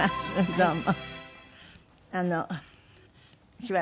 どうも。